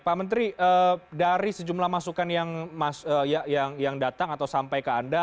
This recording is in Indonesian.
pak menteri dari sejumlah masukan yang datang atau sampai ke anda